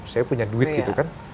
saya punya duit gitu kan